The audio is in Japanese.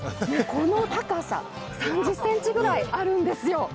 この高さ、３０ｃｍぐらいあるんですよ